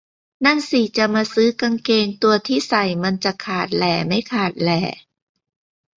นั่นสิ จะมาซื้อกางเกง ตัวที่ใส่มันจะขาดแหล่ไม่ขาดแหล่